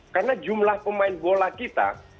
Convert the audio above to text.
karena jumlah pemain bola kita